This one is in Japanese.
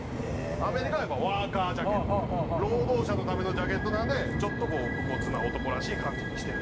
アメリカはやっぱワーカージャケットっていう労働者のためのジャケットなんでちょっとこう武骨な男らしい感じにしてるという。